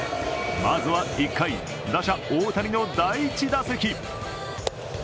まずは１回、打者・大谷の第１打席。